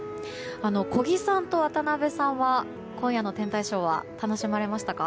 小木さんと渡辺さんは今夜の天体ショーは楽しまれましたか？